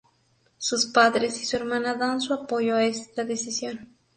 Sus padres y su hermana dan su apoyo a esta decisión.